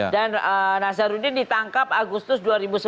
dan nazarudin ditangkap agustus dua ribu sebelas